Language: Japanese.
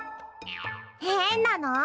へんなの。